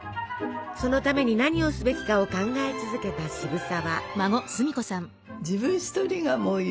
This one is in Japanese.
そのために何をすべきかを考え続けた渋沢。